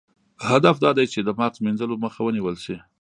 هدف دا دی چې د مغز مینځلو مخه ونیول شي.